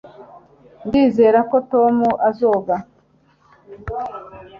ndizera ko tom azoga